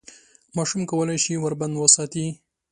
ماشوم کولای شي ور بند وساتي.